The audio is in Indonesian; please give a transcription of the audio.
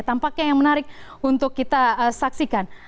tampaknya yang menarik untuk kita saksikan